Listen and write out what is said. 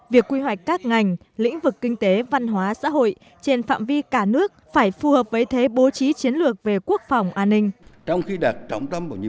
việc quy hoạch các ngành lĩnh vực kinh tế văn hóa xã hội trên phạm vi cả nước phải phù hợp với thế bố trí chiến lược về quốc phòng an ninh